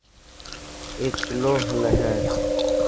اي چلو هي.